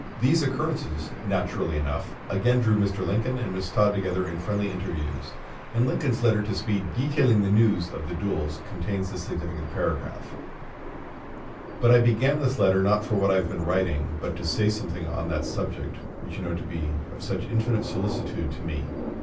These occurrences, naturally enough, again drew Mr. Lincoln and Miss Todd together in friendly interviews, and Lincoln's letter to Speed detailing the news of the duels contains this significant paragraph: "But I began this letter not for what I have been writing, but to say something on that subject which you know to be of such infinite solicitude to me.